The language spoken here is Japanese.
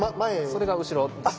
それが後ろです。